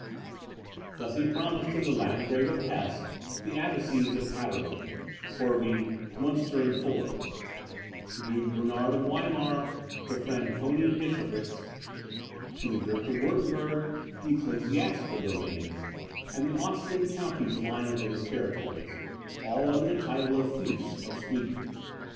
Thus he promised to the Landgrave of Hesse, the abbacies of Paderborn, Corvey, Munster, and Fulda; to Duke Bernard of Weimar, the Franconian Bishoprics; to the Duke of Wirtemberg, the Ecclesiastical domains, and the Austrian counties lying within his territories, all under the title of fiefs of Sweden.